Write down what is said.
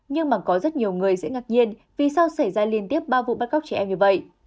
nhưng mà có rất nhiều người sẽ ngạc nhiên vì sao xảy ra liên tiếp ba vụ bắt cóc trẻ em như vậy